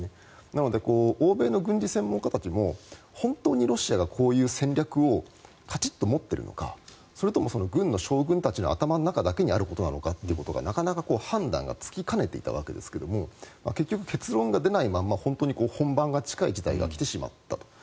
なので、欧米の軍事専門家たちも本当にロシアがこういう戦略をカチッと持っているのかそれとも軍の将軍たちの頭の中にあるだけなのかっていうことがなかなか判断がつきかねていたわけですが結局、結論が出ないまま本番が近い事態が来てしまったと。